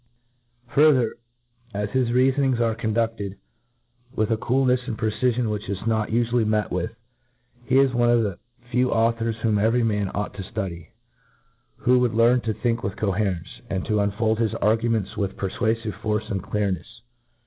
Farther ; as his reafonings are condud ed with a coolnei& and precifion which is not u fually met with, he is one of the few authors whom , every man ought to ftudy, who would learn to think with coherence, and to unfold his arguments with perfualive force and clearnefs.